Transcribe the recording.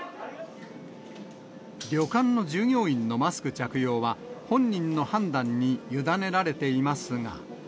旅館の従業員のマスク着用は、本人の判断に委ねられていますが。